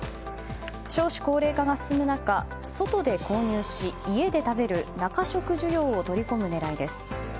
少子高齢化が進む中、外で購入し家で食べる中食需要を取り込む狙いです。